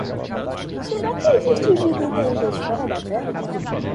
Será que existe vida inteligente fora da Terra?